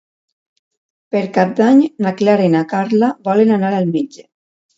Per Cap d'Any na Clara i na Carla volen anar al metge.